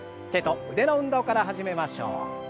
手と腕の運動から始めましょう。